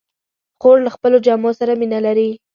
خور له خپلو جامو سره مینه لري.